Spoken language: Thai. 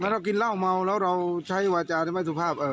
เรากินเหล้าเมาแล้วเราใช้วาจาได้ไหมสุภาพ